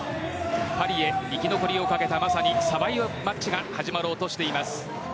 パリ生き残りをかけたまさにサバイバルマッチが始まろうとしています。